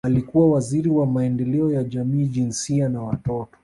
Alikuwa Waziri wa Maendeleo ya Jamii Jinsia na Watoto